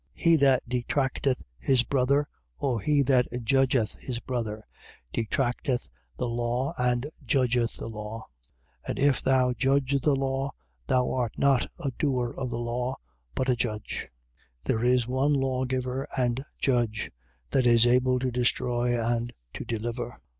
He that detracteth his brother, or he that judgeth his brother, detracteth the law and judgeth the law. But if thou judge the law, thou art not a doer of the law, but a judge. 4:12. There is one lawgiver and judge, that is able to destroy and to deliver.